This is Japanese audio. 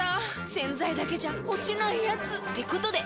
⁉洗剤だけじゃ落ちないヤツってことで。